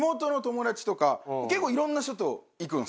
とか結構いろんな人と行くんですよ。